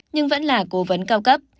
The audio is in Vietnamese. nhưng vẫn là cố vấn cao cấp